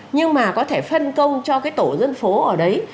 nhưng mà có thể phân công cho cái tổ dân phố ở đấy